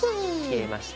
切れました。